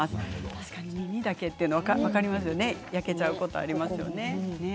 確かに耳だけというのは分かりますね焼けちゃうことありますね。